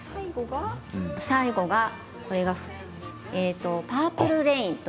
最後がパープルレイン。